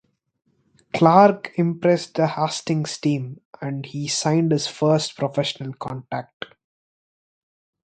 Clarke impressed the Hastings team and he signed his first professional contract.